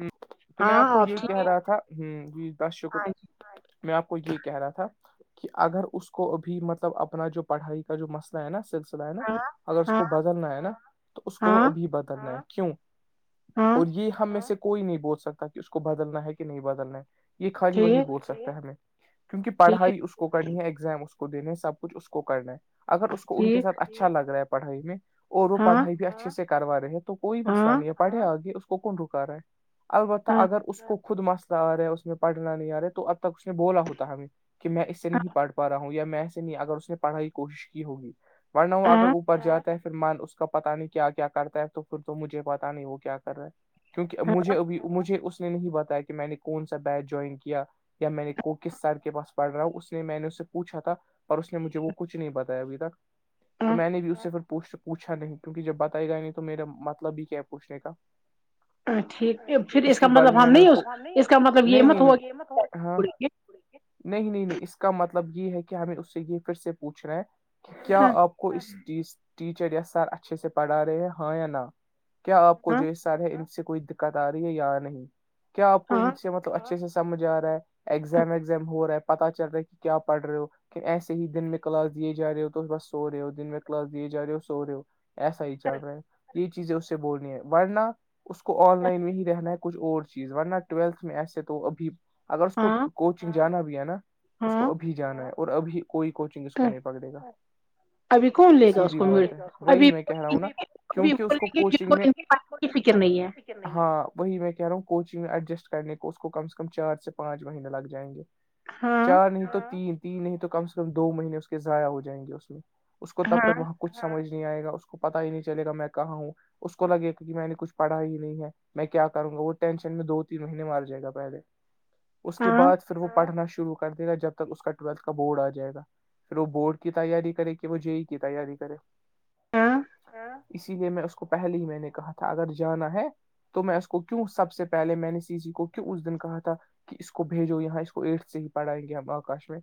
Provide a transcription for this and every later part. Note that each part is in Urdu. ہ تو میں آپ کو یہی کہہ رہا تھا ہ جی بس شکر میں آپ کو یہ کہہ رہا تھا کہ اگر اس کو ابھی مطلب اپنا جو پڑھائی کا جو مسئلہ ہے نا سسلہ ہے نا اگر اس کو بدلنا ہے نا تو اس کو وہ ابھی بدلنا ہے کیوں اور یہ ہم میں سے کوئی نہیں بول سکتا کہ اس کو بدلنا ہے کہ نہیں بدلنا ہے یہ خالی وہی بول سکتا ہے ہمیں کیونکہ پڑھائی اس کو کرنی ہے ایگزام اس کو دینے سب کچھ اس کو کرنا ہے اگر اس کو ان کے ساتھ اچھا لگ رہا ہے پڑھائی میں اور وہ پڑھائی بھی اچھے سے کروا رہے ہیں تو کوئی مسئلہ نہیں ہے پڑھے آگے اس کو کون رکا رہا ہے البتہ اگر اس کو خود مسئلہ آ رہا ہے اس میں پڑھنا نہیں آ رہا ہے تو اب تک اس نے بولا ہوتا ہمیں کہ میں اس سے نہیں پڑھ پا رہا ہوں یا میں ایے نہیں اگر اس نے پڑھائی کی کوشش کی ہوگی ورنہ ہوا اگر اوپر جاتا ہے پھر م اس کا پتا نہیں کیا کیا کرتا ہے تو پھر تو مجھے پتا نہیں وہ کیا کر رہا ہے مجھے ابھی مجھے اس نے نہیں بتایا کہ میں نے کون سا بیچ جوائن کیا یا میں نے کو کس سر کے پاس پڑ رہا ہ اس نے میں نے اس سے پوچھا تھا اور اس نے مجھے وہ کچھ نہیں بتایا ابھی تک تو میں نے بھی اس سے پھر پوچھ چک پوچھا نہیں کیونک جب بتائے گا نہیں تو میرا مطلب ہی کیا ہے پوچھنے کا ٹھیک ہے پھر اس کا مطلب ہم نہیں اس اس کا مطلب یہ مت ہوا کہے نہیں نہیں نہیں اس کا مطلب یہ ہے کہ ہمیں اس سے یہ پھر سے پوچھناے ہے کہ کیا آپ کو اسٹی ٹیچر یا سر اچھے سے پڑھا رہے ہیں ہاں یا نا کیا آپ کو جو یہ سارے ان سے کوئی دقت آ رہی ہے یا نہیں کیا آپ کو ان سے مطلب اچھے سے سمجھ آ رہا ہے ایگزام وگزام ہو رہا ہے پتا چل رہا ہے کہ کیا پڑ رہے ہو کہ ایسے ہی دن میں کلاس دیے جا رہے ہو تو بس سو رہے ہو دن میں کلاس دیے جا رہے ہو سو رہے ہو ایسا ہی چل رہا ہے یہ چیزیں اس سے بولنی ہے ورناہ اس کو آن لائن میں ہی رہنا ہے کچھ اور چیز ورنہ ٹویلتھ میں ایسے تو ابھی اگر اس کو کوچنگ جانا بھی ہے نا اس کو ابھی جانا ہے اور ابھی کوئی کوچنگ اس کو نہیں پکڑے گا ابھی کون لے گا اس کو م ابھی بیںےبھی بیں گے کو کی فکر نہیں ہے ہاں وہی میں کہہ رہا ہوں کوچنگ ایڈجسٹ کرنے کو اس کو کم سے کم چار سے پانچ مہینے لگ جائیں گے چار نہیں تو تین تین نہیں تو کم سے کم دو مہینے اس کے ضائع ہو جائیں گے اس میں اس کو تب تک وہاں کچھ سمج نہیں آئے گا اس کو پتا ہی نہیں چلےا میں کہاں ہوں اس کو لگے گا کہ میں نے کچھ پڑا ہی نہیں ہے میں کیا کروں گا وہ ٹینشن میں دو تین مہینے مار جائے گا پہلے اس کے بعد پھر وہ پڑھنا شروع کر دے گا جب تک اس کا ٹویلتھ کا بورڈ آ جائے گا پھر وہ بورڈ کی تیاری کرے کہ وہ جے ای کی تیاری کرے اسی لیے میں اس کو پہلے ہی میں نے کہا تھا اگر جانا ہے تو میں اس کو کیوں سب سے پہلے میں نے سیسیی کو کیوں اس دن کہا تھا کہ اس کو بھیجو یہاں اس کو ایٹ سے ہی پڑھائیں گے ہم آکاش میں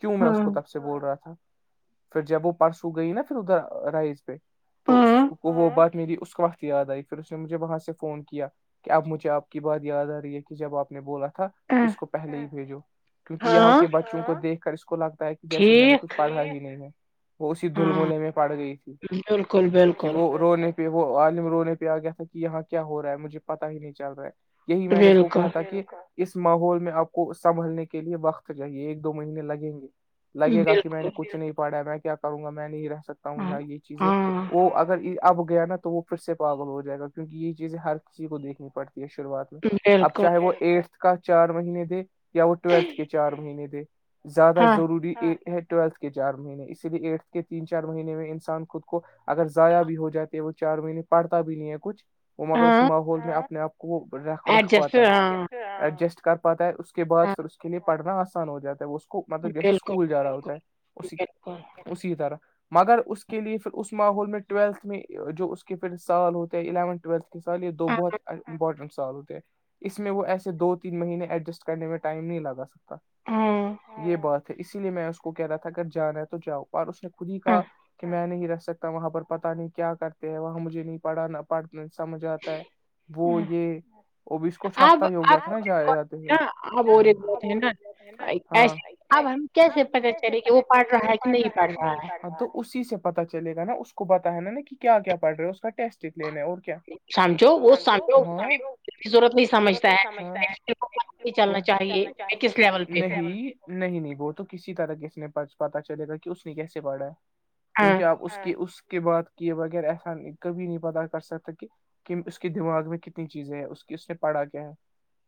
کیوں میں اس کو سے بول رہا تھا پھر جب وہ پرسوں گئی نا پھر ادھر رائز پہ تو کو وہ بات میری اس وقت یاد آئے پھر اس نے مجھے وہاں سے فون کیا کہ اب مجھے آپ کی بات یاد آ رہی ہے کہ جب آپ نے بولا تھا کہ اس کو پہلے ہی بھیجو کیونکہ یہاں کے بچوں کو دیکھ کر اس کو لگتا ہے کہ جیسے میں نے کچھ پڑھنا ہی نہیں ہے وہ اسی دلملے میں پڑ گئی تھی کہ وہ رونے پہ وہ عالم رونے پہ پ آ گیا تھا کہ یہاں کیا ہو رہا ہے مجھے پتا ہی نہیں چل رہا ہے یہی میں نے اس کو کہا تھا کہ اس ماحول میں آپ کو سنبھلنے کے لیے وقت چاہیے ایک دو مہینے لگیں گے لگے گا کہ میں نے کچھ نہیں پڑھا ہے میں کیا کروں گا میں نہیں رہ سکتا ہوں یہاں یہ چیزیں وہ اگر اب گیا نا تو وہ پھر سے پاگل ہو جائے گا کیوںک یہ چیزیں ہر کسی کو دیکھنی پڑتی ہے شروعات میں اب چاہے وہ ایٹتھ کا چار مہینے دے یا وہ ٹویلتھ کے چار مہینے دے زیادہ ضروری ہے ٹویلتھ کے چار مہینے اسی لیے ایٹتھ کے تین چار مہینے میں انسان خود کو اگر ضائع بھی ہو جاتے ہے وہ چار مہینے پڑھتا بھی نہیں ہے کچھ وہ مگر اس ماحول میں اپنے آپ کو ر رکھ پاتا ہے ایڈجسٹ کر پاتا ہے اس کے بعد پھر اس کے لیے پڑھنا ہو جاتا ہے اس کو مطلب جیسے اسکول جا رہا ہوتا ہے اسی طرح مگر اس کے لیے پھر اس ماحول میں ٹویلتھ میں جو کہ پھر سال ہوتے ہیں الیونھ ٹویلتھ کے سال یہ دو بہت امپورٹنٹ سال ہوتے ہیں اس میں وہ ایسے دو تین مہینے ایڈجسٹ کرنے میں ٹائم نہیں لگا سکتا یہ بات اسی لیے میں اس کو کہہ رہا تھا اگر جانا تو جاؤ اور اس نے خود ہی کہا کہ میں نہیں رہ سکتا وہاں پر پتاہ نہیں کیا کرتے ہیں وہاں مجے نہیں پڑھانا پڑھ سمجھ آتا ہے وہ یہ وہ بھی اس کو چھاپتا ہی ہو گیا کہ ن جا جاتے تھے اب اور بہت ہے ناے اب ہم کیسے پت چلے کہ وہ پڑھ رہا ہے [inaudible] پڑھ رہا کہ نہیں پڑھ رہا تو اسی سے پتا چلے گا نا اس کو پتا ہے نا نا کہ کیا پڑ رہا ہے اس کا ٹیسٹ لینے ہے اور سمجھو وہ سمجھو کی ضرورت نہیں سمجھتا ہے [inaudible] چلنا چاہیے میں کس لیول پہ ہوں [inaudible] نہیں نہیں وہ تو کسی طرح ک اس نے پتا چلے گا کہ اس نے کیسے پڑھا ہے کیونکہ آپ اس کے اس کے بات کی بغیر ایسا کبھی نہیں پتا کر سکتا کہ کہ اس کے دماغ میں کتنی چیزیں ہیں اس کی اس نے پڑھا کیا ہے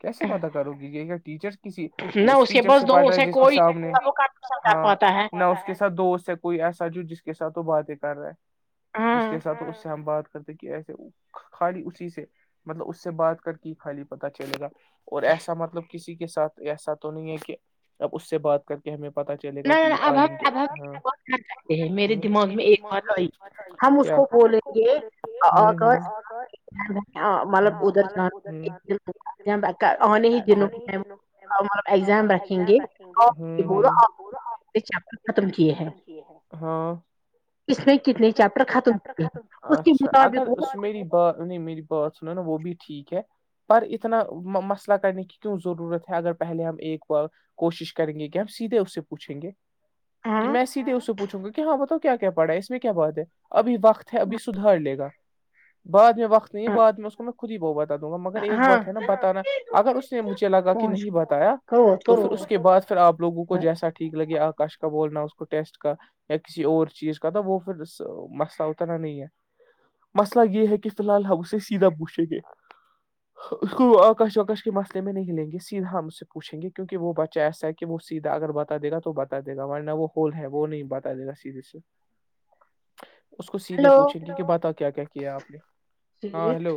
کیسے پتا کرو گی کہ ٹیچر کسی اس ٹیچر سے پڑھ رہا جس کے سامنے ہاں نہ اس کے ساتھ دوست سے کوئی ایسا جو جس کے ساتھ وہ باتیں کر رہا ہے جس کے ساتھ اس سے ہم بات کرتے کہ ایسے خالی اسی سے مطلب اس سے بات کر کے خالی پت چلے گا اور ایسا مطلب کسی کے ساتھ ایسا تو نہیں ہے کہ اب اس سے بات کر کے ہمیں پت چلے گا کہ عالم کے ہاں میرے دماغ میں ایک بات آئی ہم اس کو بولیں گے ہ ہ ہاں [inaudible] مطلب ادھر جان آنے ہی دنوں میں [inaudible] [unintelligible] چیپٹر ختم کیے ہیں اس میں کتنے چیپٹر ختم اچھا اگر اس میری بات ان میری بات سناو نا وہ بھی ٹھیک ہے پر اتنا مسئلہ کرنے کی کیوں ضرورت ہے اگر پہلے ہم ایک بار کوشش کریں گے کہ ہم سیدھے اس سے پوچھیں گے کہ میں سیدھے اس سے پوچوں گا کہ ہاں بتاؤ کیا کیا پڑھا ہے اس میں کیا بات ہے ابھی وقت ہے ابھی سدھار لے گا بعد میں وقت نہیں ہے بعد میں اس کو میں خود ہی بہت بتا دوں گا مگر ایک بات ہے نا بتانا اگر اس نے مجھے لگا کہ نہیں بتایا تو پھر اس کے بعد پھر آپ لوگوں کو جیسا ٹھیک لگے آکاش کا بولنا اس کو ٹیسٹ کا یا کسی اور چیز کا تو وہ پھر مسئلہ اتنا نہیں ہے مسئلہ یہ ہے کہ فی الحال ہم اسے سیدھا پوچھیں گے اس کو آکاش وکش کے مسئلے میں نہیں لیں گے سیدھا ہم سے پوچیں گے کیونکہ وہ بچہ ایسا کہ وہ سیدھا اگر بتا د گا تو بتا دے گا ہمارے نا وہ ہول ہے وہ نہیں بتا دےا سیدھا سے اس کو سیدھے پوچھیں گے کہ بات کیا کیا کیا آپ نے ہاں ہیلو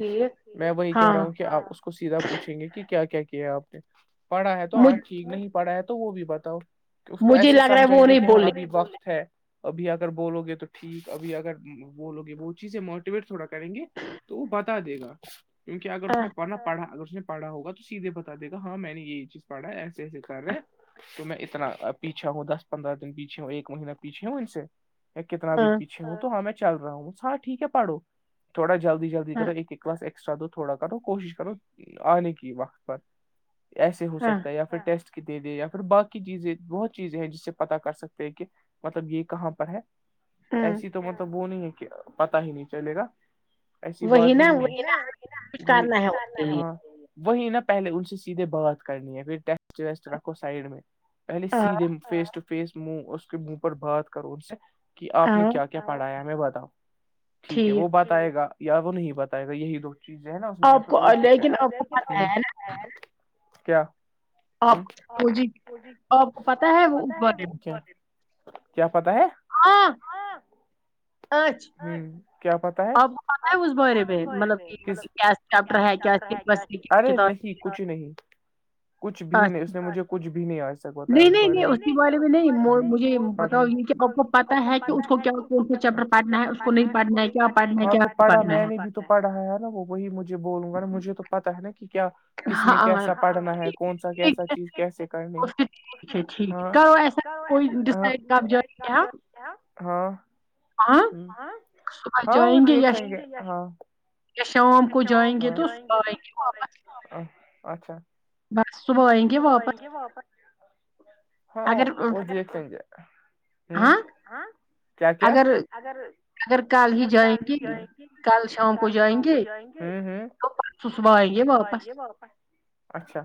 میں وہی کہہ رہا ہوں کہ آپ اس کو سیدھا پوچھیں گے کہ کیا کیا کیا آپ نے پڑھا ہے تو ہاں ٹھیک نہیں پڑھا ہے تو وہ بھی ب کہ اس کو ایسے سمجھائیں گے کہ ہاں ابھی وقت ہے ابھی اگر بولو گے تو ٹھیک ابھی اگر وہ لوگے وہ چیزیں موٹیویٹ تھوڑا کریں گے تو وہ بتا دے گا کیونکہ اگر اس نے پنہ پڑھا اگر اس نے پڑھا ہوگ تو سیدھے بتا د گا ہاں میں نے یہی چیز پڑھا ہے ایسے ایسے کر رہے ہیں تو میں اتنا پیھا ہوں دس پندرہ دن پیچھے ہوں ایک مہینہ پیچھے ہوں ان سے یا کتنا بھی پیھے ہوں تو ہاں میں چل رہا ہوں ہاں ٹھیک ہے پڑھو تھوڑا جلدی جلدی کرو ایک ایک کلاس ایکسٹرا دو تھوڑا کرو کوشش کرو آنے کی وقت پر ایسے ہو سکتا ہے یا پھر ٹیسٹ کے دے دے یا پھر باقی چیزیں بہت چیزیں ہیں جس سے پتاہ کر سکتے ہیں کہ مطلب یہ کہاں پر ہے ایسی تو مطلب وہ نہیں ہے کہ پتا ہی نہیں چلے گا ایسی بات ہی نہیں وہ ہاں وہی نہا پہلے ان سے سیدھے بات کرنی ہے پھر ٹیسٹ ویسٹ رکھو سائڈ میں پہلے سیدھے فیس ٹو فیس منی اس کے منہ پر بات کرو ان سے کہ آپ نے کیا کیا کیا پڑھایا میں بتاؤں ٹھیک ہے وہ بتائے گا یا وہ نہیں بتائے گا یہی دو چیزیں ہے نا اس میں یا پھر اور کچھ ہے کیا آ وہ جی آ پ کو پتا ہے وہ کیا پتہ ہے ہاں آنچ ہوں کیا پت ہیں [unintelligible] کچھ نہیں کچھ بھی نہیں اس نے مجھے کچھ بھی نہیں آیا نہیں نہیں اس بارے میں نہیں بتا پتا کہ اس کیا پڑھنا ہے اس کو نہیں پڑھنا پڑھنا تو پڑ رہا ہے نا وہ وہی مجھے بولوں گا نا مجھے تو پتا ہے نا کہ کیا کس میں کیسا پڑھنا ہے کون سا کیسا چیز کیسے کرنی ہے اچھا ٹھیکو ایسا کوئی ہاں ہاں وہ دیھک لے گے ہاں شام کو جائیں گے تو صبح آئیں گے واپس اچھا بس صبح انیں گے واپس ہاں وہ دیھکے گے ہاں ہاں کیا کیا اگر اگر کل ہی جائیں گے کل شام کو جائیں گے پ سس واائی یہ واپس [inaudible] اچھا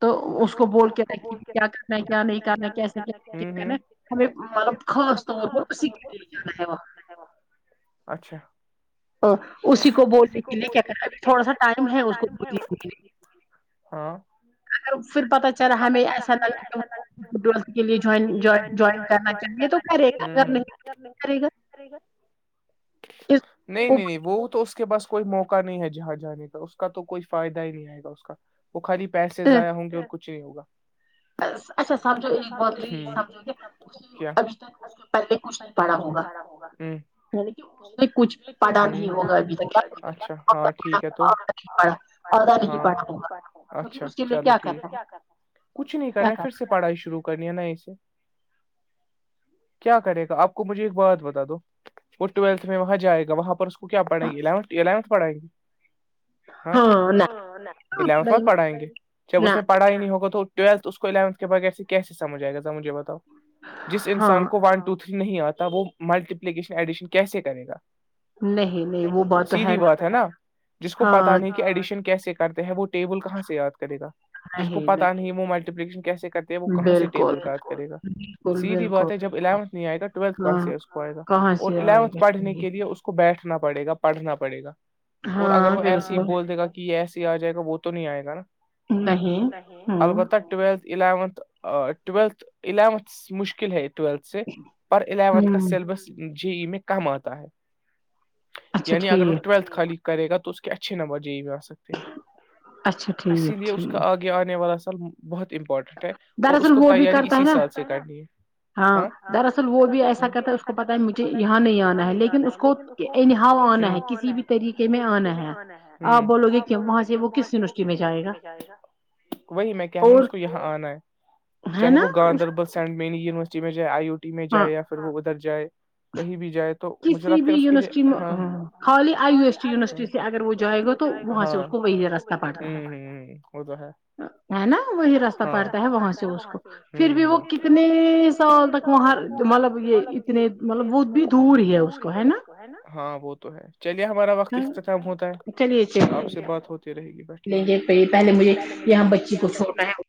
تو اس کو بول کے رے کیا کرنا ہے کیا نہیں کرنا ہے کیسے کیا کیا کرنا [inaudible] ہمیں مطلب خاص طور پر اسی کے لیے جانا ہے وہا [inaudible] اچھا اسی کو بولنے کے لیے کیا کرتے ابھی تھوڑا سا ٹائم ہے اس کو بولنے کے لیے [inaudible] ہاں اگر پھر پتہ چلا ہمیں ایسا لگ کہ فٹوتھ کے لیے جوائن کرنا چاہیے تو [inaudible] رے گم [inaudible] نہیں نہیں نہیں وہ تو اس کے پاس کوئی موقع نہیں ہے جہاں جانے کا اس کا تو کوئی فائدہ ہی نہیں آئے گا اس کا وہ خالی پیسے ضائع ہوں گے اور کچھ نہیں ہوگا اچھا سمجھو ایک بات یہ سمجھو کہ اس ابھی تک اس [inaudible] پہلے کچھ نہیں پڑھا ہوگا چ ہ اچھا ہاں ٹھیک ہے تو اد نہیں پڑاا تو پھر اس کے لیے کیا کرنا ہے [inaudible] کچھ نہیں کرنا پھر سے پڑھائی شروع کرنی ہے ن سے کیا کرے گا آپ کو مجھے ایک بات بتا دو وہ ٹویلتھ میں وہاں جائے گا وہاں پر س کیا پڑیں گیونتھ اونتھڑھے گی ہاں الیونتھ ب پڑھائیں گے جب اس نے پڑھائی ہی نہیں ہوگا تو ٹویلتھ اس کو اونتھ کے بغیر سے کیسے سمج آئے گا س مجھے بتاؤ جس انسان کو ون ٹ نہیں آتا وہ ملٹیپلیکیشن ایڈیشن کیسے کرے گا نہیں نہیں سیدھی بات ہے نا جس کو پتا نہیں کہ ایڈیشن کیسے کرتے ہیں وہ ٹیبل کہاں سے یاد کرے گا جس کو پتا نہیں وہ ملٹیشن کیسے کرتے وہ کہاں سے ٹیبل کا کرے گا سیدھی بات ہے جب الیونتھ نہیں آئے گا ٹویلتھ کہاں سے اس کو آئےا اور الیونتھ پڑھنے کے لیے اس کو بیٹھنا پڑے گا پڑھنا پڑے گا اور اگر وہ ایس ہی بول دے گا کہ کہ ایسے آ جائے گا وہ تو نہیں آئے گا نا نہیں البتہ ٹویلتھ الیونتھ ٹویلتھ الیونتھ مشکل ہے ٹویلتھ سے الیونتھ کا سلیبس جے ای میں کم آتا ہے یعنی اگر وہ ٹویلتھ خالی کرے گا تو اس کے اچھے نوجی بھی آ سکتے ہیں اسی لیے اس کا آگے آنے والا سال بہت امپورٹنٹ ہے اور اس کو تیاری اسی سال سے کرنی ہے ہاں دراصل وہ بھی ایسا کرتا ہے اس کو پتاہ ہے مجھے یہاں نہیں آنا ہے لیکن اس کو کہ ان ہاؤ آنا ہے کسی بھی طریقے میں آنا ہے آپ بولو گے وہاں سے وہ کس یونیورسٹی میں جائے گا وہی میں کہ ہ اس کو یہاں آنا ہے چاہے وہ گاندربل سینٹ مینی یونیورسٹی میں جائے آئی او ٹی میں جائے یا پھر وہ ادھر جائے کہیں بھی جائے تو مجھر کے لیے اگر وہ جائے گا وہاں سے ہ ہ ہ وہ تو ہے ہے نا وہی رستہ پڑتا ہے وہاں سے اس کو پھر بھی وہ کتنے سال تک ر مطلب یہ اتنے مطلب بت بھی [inaudible] د ہاں وہ تو ہے چلیے ہمارا وقت اختتام ہوتا ہے آپ سے بات ہوتی رہے گی لیں گے پہلے مجھے یہاں بچی کو چھوا ہے [inaudible]